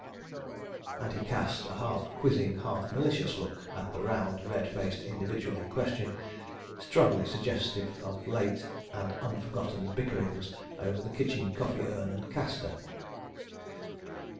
And he cast a half quizzing, half malicious look at the round, red faced individual in question, strongly suggestive of late and unforgotten bickerings over the kitchen coffee urn and castor.